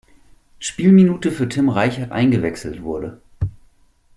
Spielminute für Tim Reichert eingewechselt wurde.